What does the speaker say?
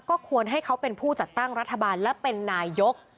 ก็ควรให้เขาเป็นผู้จัดตั้งรัฐบาลและเป็นนายก